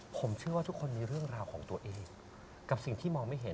ผมเชื่อว่าทุกคนมีเรื่องราวของตัวเองกับสิ่งที่มองไม่เห็น